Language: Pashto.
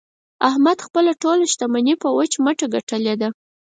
احمد خپله ټوله شمني په وچ مټه ګټلې ده.